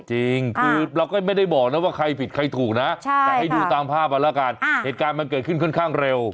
จริงคือเราก็ไม่ได้บอกนะว่าใครผิดใครถูกนะแต่ให้ดูตามภาพเอาแล้วกันเหตุการณ์มันเกิดขึ้นค่อนข้างเร็ว